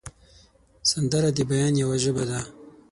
سندره د بیان یوه ژبه ده